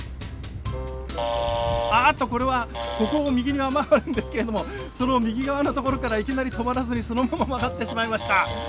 ああっとこれはここを右に曲がるんですけれどもその右側のところからいきなり止まらずにそのまま曲がってしまいました。